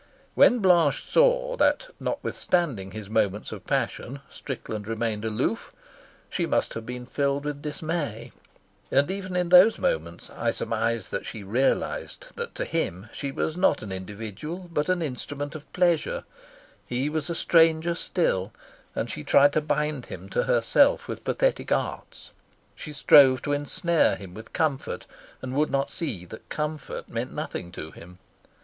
When Blanche saw that, notwithstanding his moments of passion, Strickland remained aloof, she must have been filled with dismay, and even in those moments I surmise that she realised that to him she was not an individual, but an instrument of pleasure; he was a stranger still, and she tried to bind him to herself with pathetic arts. She strove to ensnare him with comfort and would not see that comfort meant nothing to him.